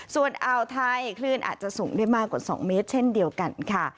ส่วนอ่าวไทยคลื่นอาจจะสูงได้มากกว่า๒เมตรเช่นเดียวกันค่ะ